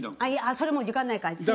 それもう時間ないから。